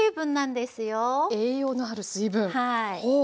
栄養のある水分ほう。